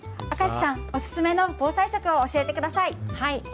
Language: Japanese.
明石さん、お勧めの防災食を教えてください。